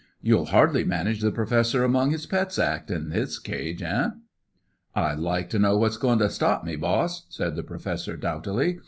"You'll hardly manage the Professor among his pets act in this cage, eh?" "I'd like to know what's goin' to stop me, boss," said the Professor doughtily.